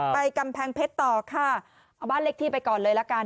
กำแพงเพชรต่อค่ะเอาบ้านเลขที่ไปก่อนเลยละกัน